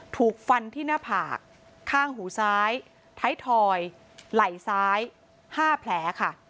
ถูกฟันที่หน้าผากข้างหูซ้ายท้ายถอยไหล่ซ้าย๕แผลค่ะ